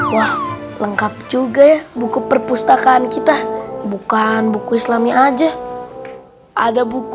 waalaikumsalam warahmatullahi wabarakatuh